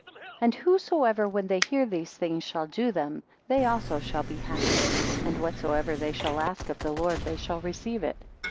34 And whosoever, when they hear these things, shall do them, they also shall be happy; and whatsoever they shall ask of the Lord they shall receive it.